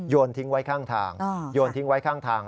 ทิ้งไว้ข้างทางโยนทิ้งไว้ข้างทาง